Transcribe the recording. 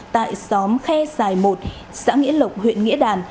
tại xóm khe sài một xã nghĩa lộc huyện nghĩa đàn